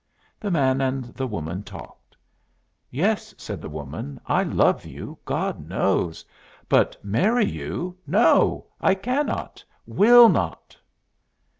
The man and the woman talked. "Yes," said the woman, "I love you, God knows! But marry you, no. I cannot, will not."